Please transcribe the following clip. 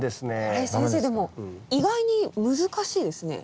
これ先生でも意外に難しいですね。